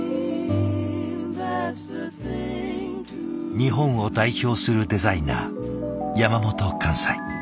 日本を代表するデザイナー山本寛斎。